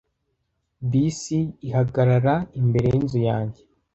Bisi ihagarara imbere yinzu yanjye.